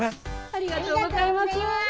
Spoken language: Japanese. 「ありがとうございます」